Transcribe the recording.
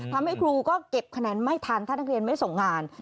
ครูก็เก็บคะแนนไม่ทันถ้านักเรียนไม่ส่งงาน